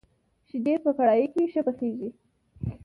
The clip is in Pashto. شيدې په کړايي کي ښه پخېږي.